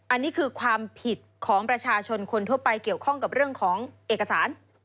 อันนี้คือความผิดของประชาชนคนทั่วไปเกี่ยวข้องกับเรื่องของเอกสาร